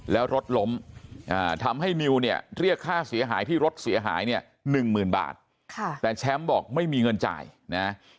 แล้วรถล้มทำให้นิวเนี่ยเรียกค่าเสียหายที่รถเสียหายเนี่ยหนึ่งหมื่นบาทแต่แชมป์บอกไม่มีเงินจ่ายนะ